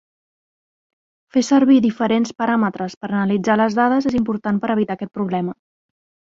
Fer servir diferents paràmetres per analitzar les dades és important per evitar aquest problema.